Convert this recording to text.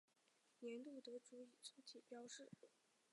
年度得主以粗体标示。